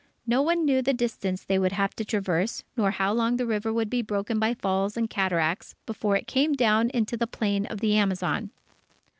No one knew the distance they would have to traverse, nor how long the river would be broken by falls and cataracts, before it came down into the plain of the Amazon.